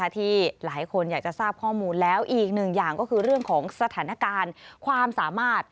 ที่หลายคนอยากจะทราบข้อมูลแล้วอีกหนึ่งอย่างก็คือเรื่องของสถานการณ์ความสามารถ